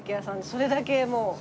それだけもう。